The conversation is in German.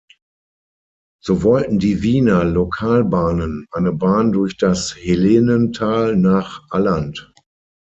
So wollten die Wiener Lokalbahnen eine Bahn durch das Helenental nach Alland.